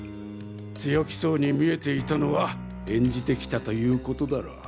強気そうに見えていたのは演じてきたということだろう。